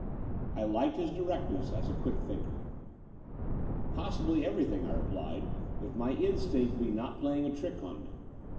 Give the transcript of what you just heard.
'' I liked his directness as a quick thinker. "Possibly everything," I repHed, "if my in stinct be not playing a trick on me.